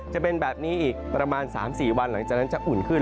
จะเป็นแบบนี้อีกประมาณ๓๔วันหลังจากนั้นจะอุ่นขึ้น